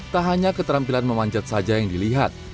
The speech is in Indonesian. tak hanya keterampilan memanjat saja yang dilihat